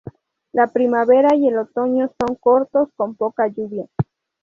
La primavera y el otoño son cortos con poca lluvia.